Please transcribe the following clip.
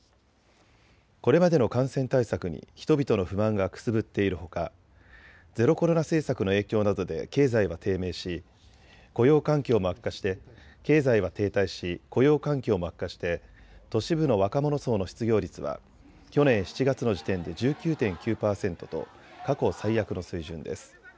これまでの感染対策に人々の不満がくすぶっているほかゼロコロナ政策の影響などで経済は停滞し雇用環境も悪化して都市部の若者層の失業率は去年７月の時点で１９．９％と過去最悪の水準です。